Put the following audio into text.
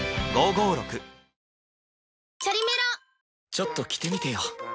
ちょっと着てみてよ！